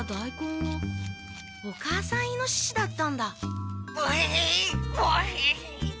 お母さんイノシシだったんだ。ブヒヒブヒヒ。